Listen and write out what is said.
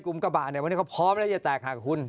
กลุ่มกระบาทเนี่ยวันนี้เขาพร้อมเลยจะแตกค่ะกับคุณ